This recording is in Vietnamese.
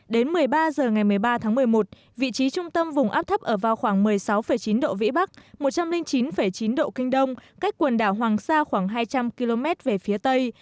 đến một mươi ba h ngày một mươi ba tháng một mươi một vị trí trung tâm vùng áp thấp ở vào khoảng một mươi sáu chín độ vĩ bắc một trăm linh chín chín độ kinh đông cách quần đảo hoàng sa khoảng hai trăm linh km về phía tây